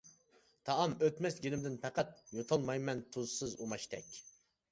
تائام ئۆتمەس گېلىمدىن پەقەت، يۇتالمايمەن تۇزسىز ئۇماچتەك.